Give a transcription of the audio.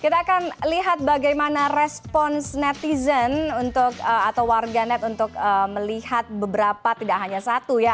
kita akan lihat bagaimana respons netizen atau warga net untuk melihat beberapa tidak hanya satu ya